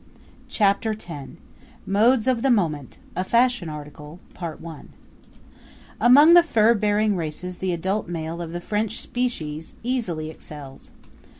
Chapter X Modes of the Moment; a Fashion Article Among the furbearing races the adult male of the French species easily excels.